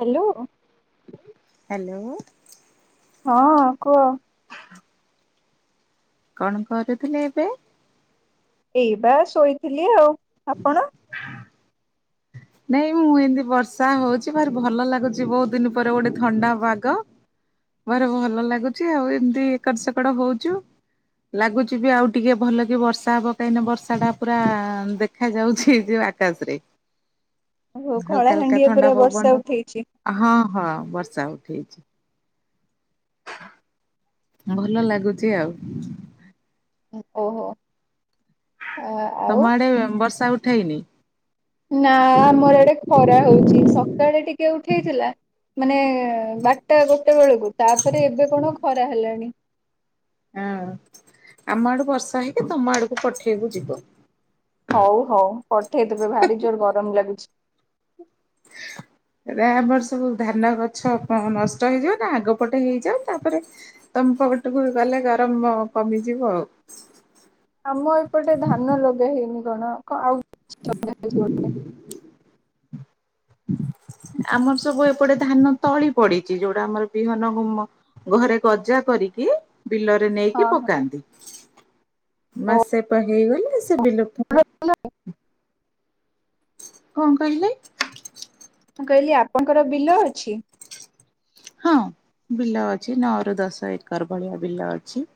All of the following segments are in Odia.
ହ୍ୟାଲୋ। ହ୍ୟାଲୋ। ହଁ କୁହ। କଣ କରୁଥିଲେ ଏବେ? ଏଇ ବା ଶୋଇଥିଲି ଆଉ ଆପଣ? ନାଇଁ ମୁଁ ଏମିତି ବର୍ଷା ହଉଛି ଭାରି ଭଲ ଲାଗୁଛି ବହୁତ ଦିନ ପରେ ଗୋଟେ ଥଣ୍ଡା ପାଗ ଭାରି ଭଲ ଲାଗୁଛି ଆଉ ଏମିତି ଏକଡ଼ ସେକଡ଼ ହଉଚୁ। ଲାଗୁଛି ବି ଆଉ ଟିକେ ଭଲ କି ବର୍ଷା ହବ କାହିଁକି ବର୍ଷା ଟା ପୁରା ଦେଖ ଦେଖା ଯାଉଛି ଜଉ ଯେ ଆକାଶରେ ଓହୋ କଳା ହାଲକା ହାଲକା ହାଣ୍ଡିଆ ଥଣ୍ଡା ପୁରା ବର୍ଷା ପବନ ଉଠେଇଛି। ହଁ ହଁ ବର୍ଷା ଉଠେଇଛି। ହ ଭଲ ଲାଗୁଛି ଆଉ। ଓହୋ। ଆ- ଆଉ ତମ ଆଡେ ବର୍ଷା ଉଠେଇନି? ନା ଆମର ଇଆଡ଼େ ଖରା ହଉଛି ସକାଳେ ଟିକେ ଉଠେଇଥିଲା ମାନେ ଏଁ ବାରଟା ଗୋଟେ ବେଳକୁ ତାପରେ ଏବେ କଣ ଖରା ହେଲାଣି। ହଁ ଆମ ଆଡୁ ବର୍ଷା ହେଇକି ତମ ଆଡକୁ ପଠେଇବୁ ଯିବ। ହଉ ହଉ ପଠେଇଦବେ ଭାରି ଜୋର ଗରମ ଲାଗୁଚି। ହ ହେରା ଆମର ସବୁ ଧାନ ଗଛ ନଷ୍ଟ ହେଇଜୀଵନା ଆଗପଟେ ହେଇଯାଉ ତାପରେ ତମପଟକୁ ଗଲେ ଗରମ କମିଯିବ ଆଉ। ଆମ ଏପଟେ ଧାନ ଲଗା ହେଇନି କଣ କ ଆଉ ହେଇଛି ବୋଧେ। ଆଜ ଆମର ସବୁ ଏପଟେ ଧାନ ତଳି ପଡିଛି ଯୋଉଟା ଆମର ବିହନ ଘୁମ ଘରେ ଗଜା କରିକି ବିଲରେ ନେଇକି ହଁ ହଁ ପକାନ୍ତି ଓ ମାସେ ପା ହେଇଗଲେ ସେ ବିଲୁପ୍ତ ପାଇଁ [unintelligible] କଣ କହିଲେ? ମୁଁ କହିଲି ଆପଣଙ୍କର ବିଲ ଅଛି? ହଁ ବିଲ ଅଛି ନଅରୁ ଦଶ ଏକର ଭଳିଆ ବିଲ ଅଛି।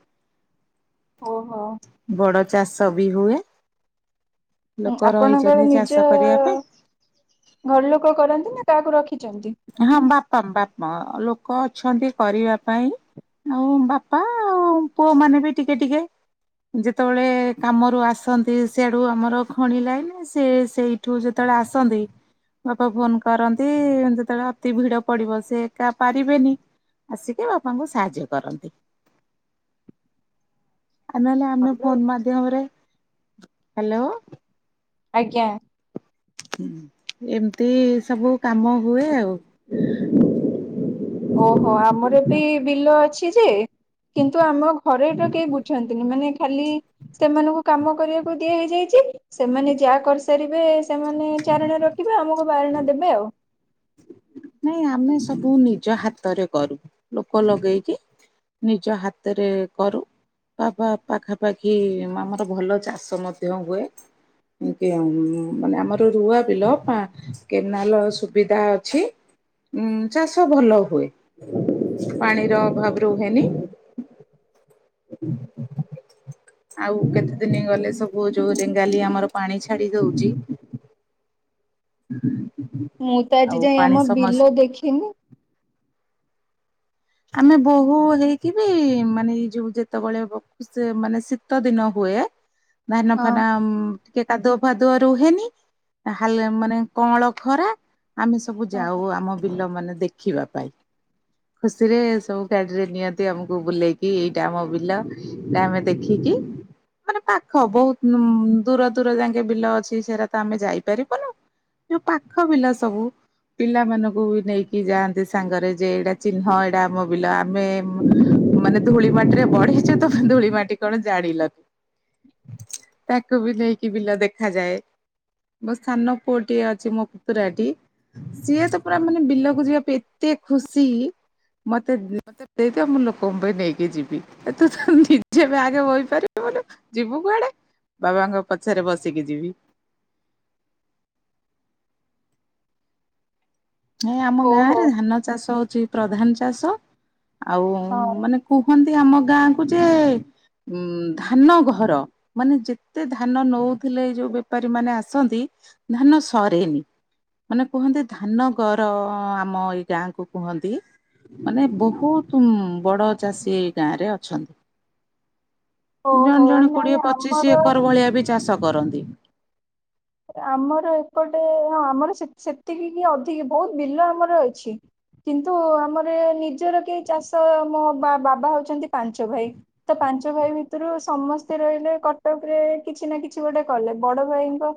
ଓହୋ। ବଡ ଚାଷ ବି ହୁଏ। ହୁଁ ଲୋକ ଆପଣଙ୍କର ରହିଛନ୍ତି ଚାଷ ନିଜ କରିବା ପାଇଁ ଘର ଲୋକ କରନ୍ତି ନା କାହାକୁ ରଖିଚନ୍ତି? ହଁ ବାପା ବାପା ଲୋକ ଅଛନ୍ତି କରିବା ପାଇଁ ଆଉ ବାପା ଆଉ ପୁଅମାନେ ବି ଟିକେ ଟିକେ ଯେତୋବେଳେ କାମରୁ ଆସନ୍ତି ସିଆଡୁ ଆମର ଖଣି ଲାଇନ ନା ସେ ସେଇ ଠୁ ଯେତଳେ ଆସନ୍ତି ବାପା ଫୋନ କରନ୍ତି ଏମତି ଯେତୋଳେ ଅତି ଭିଡ ପଡିବ ସେ ଏକା ପାରିବେନି। ଆସିକି ବାପାଙ୍କୁ ସାହାଯ୍ୟ କରନ୍ତି। ଆଉ ନହେଲେ ଆମେ ହ୍ୟାଲୋ। ଫୋନ ମାଧ୍ୟମରେ ହାଲୋ? ଆଜ୍ଞା। ହୁଁ ଏମତି ସବୁ କାମ ହୁଏ ଆଉ। ଓହୋ ଆମର ବି ବିଲ ଅଛି ଯେ କିନ୍ତୁ ଆମ ଘରେ ଏଟା କେହି ବୁଝନ୍ତିନି ମାନେ ଖାଲି ସେମାନଙ୍କୁ କାମ କରିବାକୁ ଦିଆ ହେଇଯାଇଚି ସେମାନେ ଯାହା କରିସାରିବେ ସେମାନେ ଚାରଣା ରଖିବେ ଆମକୁ ବାରଣା ଦେବେ ଆଉ। ନାଇଁ ଆମେ ସବୁ ନିଜ ହାତରେ କରୁ ଲୋକ ଲଗେଇକି ନିଜ ହାତରେ କରୁ। ବାବା ପାଖାପାଖି ଆମର ଭଲ ଚାଷ ମଧ୍ୟ ହୁଏ। ବାକି ଆମ୍ ମାନେ ଆମର ରୁଆ ବିଲ ପା କେନାଲ ସୁବିଧା ଅଛି। ଉଁ ଚାଷ ଭଲ ହୁଏ ପାଣିର ଅଭାବ ରୁହେନି। ଆଉ କେତେ ଦିନି ଗଲେ ସବୁ ଯୋଉ ରେଙ୍ଗାଲି ଆମର ପାଣି ଛାଡି ଦୋଉଚି। ମୁଁ ତ ଆଉ ଆଜି ଯାଏ ପାଣି ଆମ ସମସ୍ୟା ବିଲ ଦେଖିନି। ଆମେ ବୋହୂ ହେଇକି ବି ମାନେ ଏଇ ଯୋଉ ଯେତେବେଳେ ବ ସେ ମାନେ ଶୀତ ଦିନ ହୁଏ ଧାନ ହଁ ଫାନ ଆମ୍ ଟିକେ କାଦୁଅ ଫାଦୁଅ ରୁହେନି ଆ ହାଲ୍ ମାନେ କଅଁଳ ଖରା ଆମେ ସ ସବୁ ହଁ ଯାଉ ଆମ ବିଲମାନେ ଦେଖିବା ପାଇଁ। ଖୁସିରେ ସବୁ ଗାଡିରେ ନିଅନ୍ତି ଆମକୁ ବୁଲେଇକି ଏଇଟା ଆମ ବିଲ ଏଟା ଆମେ ଦେଖିକି ମାନେ ପାଖ ବୋହୁତ ଉମ୍ ଦୂର ଦୂର ଯାକେ ବିଲ ଅଛି ସେରା ତ ଆମେ ଯାଇ ପାରିବୁନୁ। ଯୋଉ ପାଖ ପିଲା ସବୁ ପିଲାମାନାନଙ୍କୁ ବି ନେଇକି ଯାଆନ୍ତି ସାଙ୍ଗରେ ଯେ ଏଇଟା ଚିହ୍ନ ଏଇଟା ଆମ ବିଲ ଆମେ ମାନେ ଧୂଳି ମାଟିରେ ବଢିଚୁ ତ ଧୂଳି ମାଟି କଣ ଜାଣିଲ। ତାକୁ ବି ନେଇକି ବିଲ ଦେଖାଯାଏ। ମୋ ସାନ ପୁଅଟି ଅଛି ମୋ ପୁତୁରାଟି ସିଏ ତ ପୁରା ମାନେ ବିଲକୁ ଯିବା ପାଇଁ ଏତେ ଖୁସି ମତେ ଦି ମତେ ଦେଇଦିଅ ମୁଁ ଲୋକଙ୍କ ପାଇଁ ନେଇକି ଯିବି ଆ ତୁ ତ ନିଜେ ବ୍ୟାଗେ ବୋହିପାରିବୁନୁ। ଯିବୁ କୁଆଡେ ବାବାଙ୍କ ପଛରେ ବସିକି ଯିବି। ନାଇଁ ଆମ ଓହୋ। ଗାଁରେ ଧାନ ଚାଷ ହୋଉଚି ପ୍ରଧାନ ଚାଷ ଆଉ ହଁ ମାନେ କୁହନ୍ତି ଆମ ଗାଁକୁ ଯେ ଉଁ ଧାନଘର। ମାନେ ଯେତେ ଧାନ ନୋଉଥିଲେ ଏଇ ଯୋଉ ବେପାରୀ ମାନେ ଆସନ୍ତି ଧାନ ସରେନି। ମାନେ କୁହନ୍ତି ଧାନ ପର ଆମ ଏଇ ଗାଁକୁ କୁହନ୍ତି ମାନେ ବୋହୁତ ଉଁ ବଡ଼ ଚାଷୀ ଏ ଗାଁରେ ଅଛନ୍ତି। ଜଣେ ଓହୋ ଜଣେ ନାଇଁ କୋଡିଏ ପଚିଶି ଆମର ଏକର ଭଳିଆ ବି ଚାଷ କରନ୍ତି। ଆମର ଏପଟେ ହଁ ଆମର ସେତ୍ ସେତିକି କି ଅଧିକ ବହୁତ ବିଲ ଆମର ଅଛି। କିନ୍ତୁ ଆମର ନିଜର କି ଚାଷ ମୋ ବାବା ହଉଛନ୍ତି ପାଞ୍ଚ ଭାଇ। ତ ପାଞ୍ଚ ଭାଇ ଭିତରୁ ସମସ୍ତେ ରହିଲେ କଟକ ରେ କିଛି ନା କିଛି ଗୋଟେ କଲେ ବଡ ଭାଇଙ୍କ।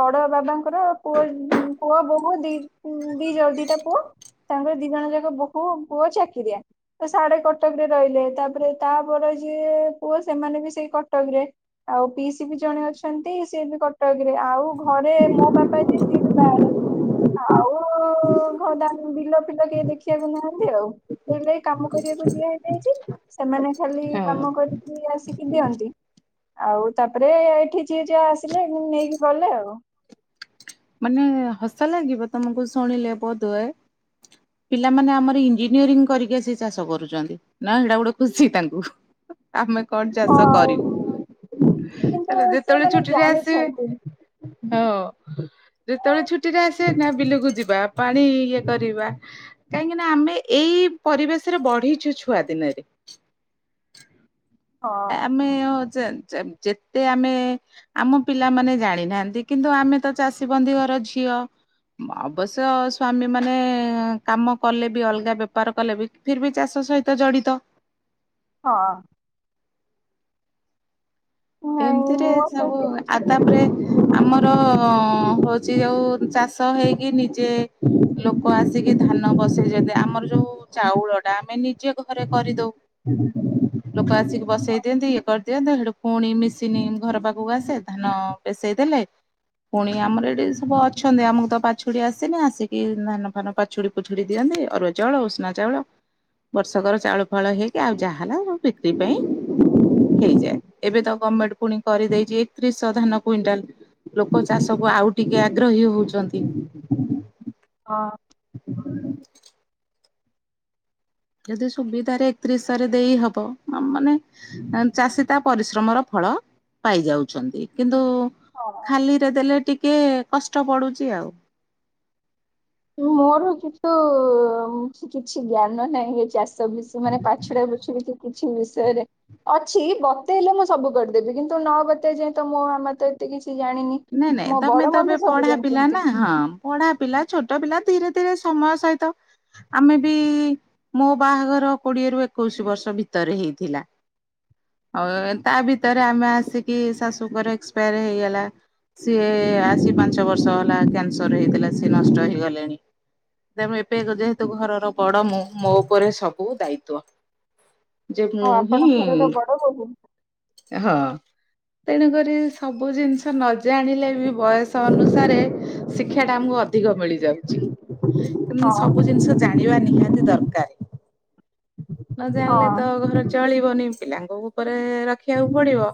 ବଡ ବାବାଙ୍କର ପୁଅ ପୁଅ ବୋହୁ ଦି ଦି ଜ ଦିଟା ପୁଅ। ତାଙ୍କର ଦିଜଣ ଯାକ ବୋହୁ ପୁଅ ଚାକିରିଆ। ସାଡେ କଟକରେ ରହିଲେ ତାପରେ ତାପରେ ଯିଏ ପୁଅ ସେମାନେ ବି ସେଇ କଟକରେ। ଆଉ ପିଇସି ବି ଜଣେ ଅଛନ୍ତି ସିଏ ବି କଟକ। ଆଉ ଘରେ ମୋ ବାପା ଯିଏ ସିଏ ବି ବାହାରେ। ଆଉ ଘ ଦା ବିଲ ଫିଲ କେହି ଦେଖିବାକୁ ନାହାଁନ୍ତି ଆଉ। ସେଇ ଲାଗି କାମ କରିବାକୁ ଦିଆ ହେଇଯାଇଛି ସେମାନେ ଖାଲି ହଁ। କାମ କରିକି ଆସି। କି ଦିଅନ୍ତି ଆଉ ତାପରେ ଏଠି ଯିଏ ଜା ଆସିଲେ ନେଇକି ଗଲେ ଆଉ। ମାନେ ହସ ଲାଗିବ ତମକୁ ଶୁଣିଲେ ବୋଧ ହୁଏ। ପିଲାମାନେ ଆମର ଇଞ୍ଜିନିୟରିଂ କରିକି ଆସି ଚାଷ କରୁଛନ୍ତି ନା ଏଡା ଗୁଡେ ଖୁସି ତାଙ୍କୁ। ଆମେ କଣ ଚାଷ ହଁ କରିବୁ। କିନ୍ତୁ ହେଲେ ଯେତେବେଳେ ସେମାନେ ଛୁଟିରେ ଜାଣିଛନ୍ତି ଆସିବେ ହ। ଯେତେବେଳେ ହଁ ଛୁଟିରେ ଆସିବେ ନା ବିଲକୁ ଯିବା ପାଣି ଇଏ କରିବା। କାହିଁକିନା ଆମେ ଏଇ ପରିବେଶରେ ବଢିଛୁ ଛୁଆ ଦିନରେ। ହଁ ଆମେ ଅ ଜ ଯେତେ ଆମେ ଆମ ପିଲାମାନେ ଜାଣିନାହାନ୍ତି କିନ୍ତୁ ଆମେ ତ ଚାଷୀ ବନ୍ଧି ଘର ଝିଅ। ଅବଶ୍ୟ ସ୍ଵାମୀ ମାନେ କାମ କଲେ ବି ଅଲଗା ବେପାର କଲେ ବି ଫିର୍ ବି ଚାଷ ସହିତ ଜଡିତ। ହଁ। ନାଇଁ ଏମିତିରେ ମୁଁ ଆଉ ସବୁ, କିଛି ଆଗ ତାପରେ ଆମର ହଉଚି ଯୋଉ ଚାଷ ହେଇକି ନିଜେ ଲୋକ ଆସିକି ଧାନ ବସେଇଦେବେ। ଆମର ଯୋଉ ଚାଉଳ ଟା ଆମେ ନିଜେ ଘରେ କରିଦଉ। ଲୋକ ଆସିକି ବସେଇ ଦିଅନ୍ତି ଇଏ କରିଦିଅନ୍ତି ଲୁକ୍ ପୁଣି ମିଶିନି ଘର ପାଖକୁ ଆସେ ଧାନ ପେସେଇ ଦେଲେ। ପୁଣି ଆମର ଏଠି ସବୁ ଅଛନ୍ତି। ଆମକୁ ତ ପାଛୁଡି ଆସେନି ଆସିକି ଧାନ ଫାନ ପାଛ ଫାଛୁଡି ପୁଛୁଡି ଦିଅନ୍ତି। ଅରୁଆ ଚାଉଳ ଉଷୁନା ଚାଉଳ ବର୍ଷକର ଚାଉଳ ଫାଉଳ ହେଇକି ଆଉ ଯାହା ହେଲା ଆ ବିକ୍ରି ପାଇଁ ହେଇଯାଏ। ଏବେ ତ ଗମେଣ୍ଟ ପୁଣି କରିଦେଇଛି ଏକତିରିଶହ ଧାନ କୁଇଣ୍ଟାଲ। ଲୋକ ଚାଷ କୁ ଆଉ ଟିକେ ଆଗ୍ରହୀ ହଉଛନ୍ତି। ହଁ। [inaudible] ଯଦି ସୁବିଧାରେ ଏକତିରିଶହରେ ଦେଇ ହବ ହ ମାନେ ଚାଷୀ ତା ପରିଶ୍ରମର ଫଳ ପାଇ ଯାଉଛନ୍ତି। କିନ୍ତୁ ହଁ ଖାଲିରେ ଦେଲେ ଟିକେ କଷ୍ଟ ପଡୁଚି ଆଉ। ମୋର କିନ୍ତୁ କିଛି ଜ୍ଞାନ ନାହିଁ ଏଇ ଚାଷୀ ମାନେ ପାଛୁଡା ପାଛୁଡି କି କିଛି ବିଷୟରେ ଅଛି ବତେଇଲେ ମୁଁ ସବୁ କରିଦେବି କିନ୍ତୁ ନ ବତେଇ ଯାଏ ତ ମୁଁ ଆମର ତ ଏତେ କିଛି ଜାଣିନି। ନାଇଁ ନାଇଁ ମୋ ତମେ ବଡ ତ ଏବେ ମାମା ସବୁ ପଢା ପିଲା ଜାଣିଛନ୍ତି ନା ହଁ। ପଢା ପିଲା ଛୋଟ ପିଲା ଧୀରେ ଧୀରେ ସମୟ ସହିତ ଆମେ ବି ମୋ ବାହାଘର କୋଡିଏରୁୁ ଏକୋଇଶି ବର୍ଷ ଭିତରେ ହେଇଥିଲା। ଆଉ ତା ଭିତରେ ଆମେ ଆସିକି ଶାଶୁଙ୍କର ଏକ୍ସପାୟାର ହେଇଗଲା। ସିଏ ଆସି ପାଞ୍ଚ ବର୍ଷ ହେଲା କ୍ୟାନସର ହେଇଥିଲା ସିଏ ନଷ୍ଟ ହେଇଗଲେଣି। ତେଣୁ ଏବେ ଯେହେତୁ ଘରର ବଡ ମୁଁ ମୋ ଉପରେ ସବୁ ଦାୟିତ୍ୱ। ଯେ ମୁୁଁ ହିିଁ ହଉ ହଉ [unintelligible] ହଁ। ତେଣୁକରି ସବୁ ଜିନିଷ ନ ଜାଣିଲେ ବି ବୟସ ଅନୁସାରେ ଶିକ୍ଷା ଟା ଆମକୁ ଅ ଅଧିକ ମିଳିଯାଉଛି। ତେଣୁ ହଁ ସବୁ ଜିନିଷ ଜାଣିବା ନିହାତି ଦରକାର। ନ ଜାଣିଲେ ହଁ ତ ଘର ଚଳିବନି ପିଲାଙ୍କ ଉପରେ ରଖି ଦେଖିବାକୁ ପଡିବ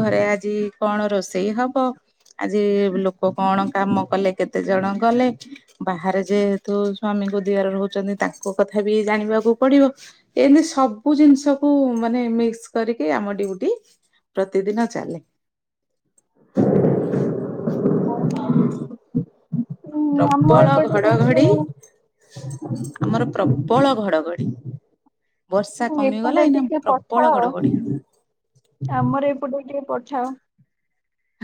ଘରେ ଆଜି କଣ ରୋଷେଇ ହବ? ଆଜି ଲୋକ କଣ କାମ କଲେ କେତେ ଜଣ ଗଲେ? ବାହାରେ ଯେହେତୁ ସ୍ଵାମୀଙ୍କ ଦିଅର ରହୁଛନ୍ତି ତାଙ୍କ କଥା ବି ଜାଣିବାକୁ ପଡିବ। ଏମତି ସବୁ ଜିନିଷକୁୁ ମାନେ ମିକ୍ସ କରିକି ଆମ ଡ୍ୟୁଟି। ଟି ପ୍ରତିଦିନ ଚାଲେ। ଓହୋ ହ ଆମ ପ୍ରବଳ ଏପଟେ ଘଡଘଡି କିନ୍ତୁ ଆମର ପ୍ରବଳ ଘଡଘଡି,। ବର୍ଷା କମିଗଲା ଏପଟେ ଏଇନା ଟିକେ ପ୍ରବଳ ଘଡଘଡି। ମୋର ଏପଟେ ଟିକେ ପଠାଅ।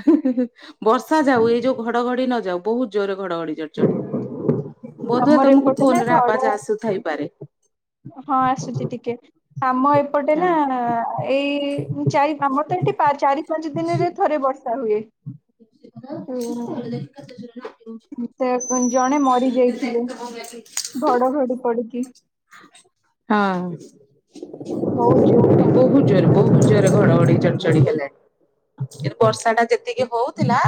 ହି ହି ବର୍ଷା ଯାଉ ଏଇ ଯୋଉ ଘଡଘଡି ନ ଯାଉ ବହୁତ ଜୋରେ ଘଡଘଡି, ଚଡଚଡି। ବୋଧ ହୁଏ ଆମର ତମକୁ ଏପଟେ ନା ଫୋନ୍ ର ଘଡ ଆବାଜ୍ ଆସୁ ଥାଇପାରେ। ହଁ ଆସୁଚି ଟିକେ। ଆମ ଏପଟେ ହଁ। ନା ଏଇ ଏଇ ଚାରି ପା-ଆମର ତ ଏଠି ଚାରି ପାଞ୍ଚ ଦିନରେ ଥରେ ବର୍ଷା ହୁଏ। [inaudible] କ ହସି ହସି ଉଁ, ଗଡି [inaudible] ଦଉଛି। ସେ ଜଣେ ମରି ଯାଇଥିଲେ ଘଡଘଡି ପଡିକି। ହଁ। ବହୁତ ଜୋର ଘଡଘଡି ବୋହୁତ୍ ଜୋର୍ ହେଇଥିଲା ବହୁତ୍ ଜୋର୍ ଘଡଘଡି ଚ ଡି ହେଲା କିନ୍ତୁ ବର୍ଷା ଟା ଯେତିକି ହଉଥିଲା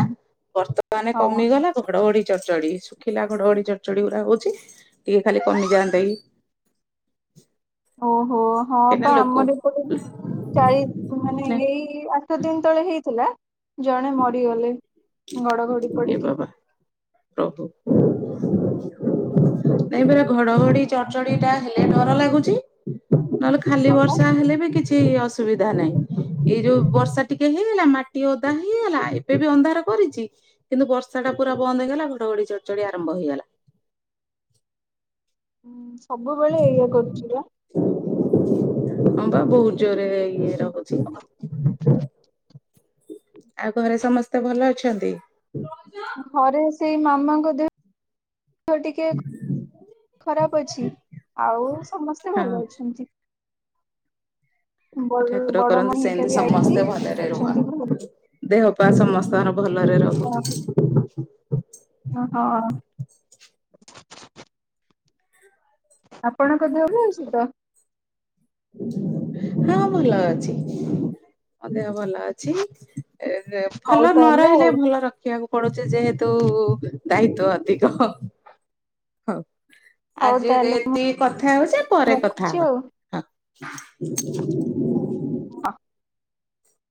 ବର୍ତ୍ତମାନ ହଁ। କମିଗଲା। ଘଡଘଡି ଚଡ୍ ଚଡି ଶୁଖିଲା ଘଡଘଡି ଚଡ୍ ଚଡି ଗୁଡା ହଉଚି ଟିକେ ଖାଲି କମିଯାଆନ୍ତା କି। ଓହୋ ହଁ କେନା ବା ଲୋକ ଆମର ଏପଟେ ବି ଚାଳି ମାନେ ଏଇ ଇ ଆଠ ଦିନ ତଳେ ହେଇଥିଲା ଜଣେ ମରିଗଲେ ଘଡଘଡି ଏ ପଡିକି। ବାବା ପ୍ରଭୁ ନାଇ ପରା ଘଡଘଡି ଚଡ୍ ଚ ଡି ହେଲେ ଡର ଲାଗୁଚି ନହେଲେ ଖାଲି ହଁ ବା। ବର୍ଷା ହେଲେ ବି କିଛି ଛି ଅସୁବିଧା ନାହିଁ ଏଇ ଯୋଉ ବର୍ଷା ଟିକେ ହେଇଗଲା ମାଟି ଓଦା ହେଇଗଲା ଏବେ ବି ଅନ୍ଧାର କରିଚି କିନ୍ତୁ ବର୍ଷା ଟା ପୁରା ବନ୍ଦ ହେଇଗଲା ଘଡଘଡି ଚଡଚଡି ଆରମ୍ଭ ହେଇଗଲା। ହୁଁ ସବୁବେଳେ ଏଇଆ କରୁଚି ପା। ଅମ୍ ବା ବହୁତ ଜୋରେ ଇଏ ରହୁଛି। ଆଉ ଘରେ ସମସ୍ତେ ଭଲ ଅଛନ୍ତି? ଘରେ ସେଇ ମାମାଙ୍କ ଦେହ -ଦେହ ଟିକେ ଖରାପ ଅଛି। ଆଉ ସମସ୍ତେ ହଁ ଭଲ ଅଛନ୍ତି। ବଡ ଠାକୁର ବଡ କରନ୍ତୁ ମଣି ହେରିକା ସେମିତି ବି ଆଇଛନ୍ତି। ସମସ୍ତେ ଭଲରେ ଅଛନ୍ତି ଭଲ। ରୁହନ୍ତୁ। ଦେହ ପା ସମସ୍ତଙ୍କର ଭଲରେ ରହୁ। ଓ ହଁ। ଆପଣଙ୍କ ଦେହ ଭ ଅଛି ତ? ହଁ ଭଲ ଅଛି। ହଁ ଦେହ ଭଲ ଅଛି ହଉ ଭଲ ନ ତାହେଲେ ଆଉ। ରହିଲେ ଭଲ ରଖ୍ ରଖିବାକୁ ପଡୁଚି ଯେହେତୁ ଦାୟିତ୍ଵ ଅଧିକ ହଉ- ହଉ। ହଉ ଆଜି ତାହେଲେ ମୁଁ ଏତିକି କଥା ହଉଚେ ପରେ କଥା ରଖୁଛି ହବା। ଆଉ। ହଁ। ଅଁ।